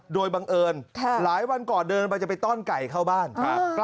โดยบังเอิญหลายวันก่อนเดินไปจะไปต้อนไก่เข้าบ้าน